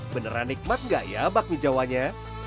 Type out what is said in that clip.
beneran nikmat nggak ya bakmi jawanya